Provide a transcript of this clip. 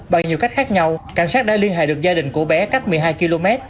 bằng nhiều cách khác nhau cảnh sát đã liên hệ được gia đình của bé cách một mươi hai km